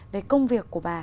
về công việc của bà